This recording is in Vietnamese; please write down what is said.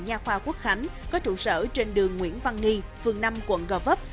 nhà khoa quốc khánh có trụ sở trên đường nguyễn văn nghi phường năm quận gò vấp